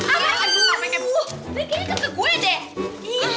freyyy kayaknya kena ke gue deh